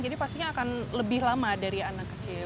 jadi pastinya akan lebih lama dari anak kecil